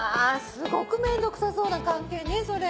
すごく面倒くさそうな関係ねそれ。